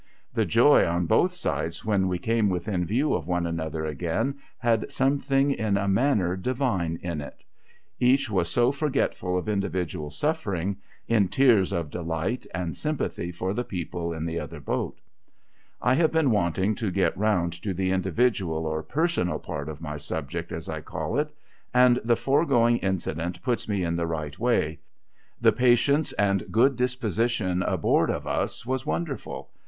I'he joy on both sides when we came within view of one another again, had something in a manner Divine in it; each was so forgetful of individual suffering, in tears of delight and sympathy for the people in the other boat, I have been wanting to get round to the individual or personal part of my subject, as I call it, and the foregoing incident puts me in the right way. The patience and good disposition aboard of us, was wonderful.